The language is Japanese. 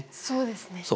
そうですね。